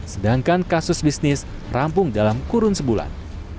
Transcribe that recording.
sedangkan kasus bisnis rampung dalam kurun sebulan